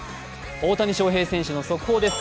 大谷翔平選手の速報です。